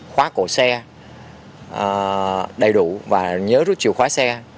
khóa cổ xe đầy đủ và nhớ rút chìa khóa xe